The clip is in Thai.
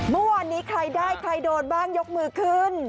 เมื่อวานนี้ใครได้ใครโดนบ้างยกมือขึ้น